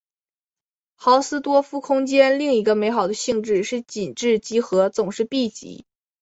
豪斯多夫空间另一个美好的性质是紧致集合总是闭集。